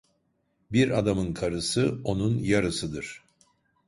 Bir adamın karısı onun yarısıdır.